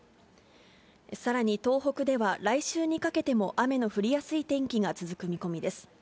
さらに、東北では、来週にかけても雨の降りやすい天気が続く見込みです。